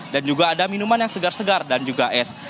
dan juga ada minuman yang segar segar dan juga es